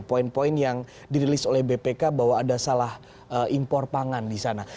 poin poin yang dirilis oleh bpk bahwa ada salah impor pangan di sana